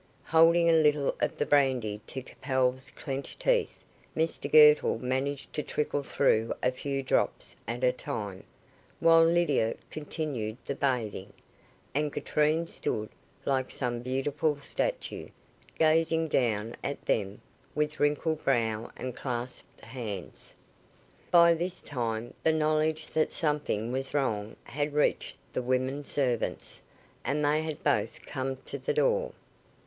Holding a little of the brandy to Capel's clenched teeth, Mr Girtle managed to trickle through a few drops at a time, while Lydia continued the bathing, and Katrine stood, like some beautiful statue, gazing down at them with wrinkled brow and clasped hands. By this time, the knowledge that something was wrong had reached the women servants, and they had both come to the door.